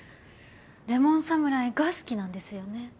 レモン侍が好きなんですよね。